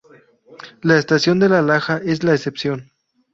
La estación de La Laja, es la excepción.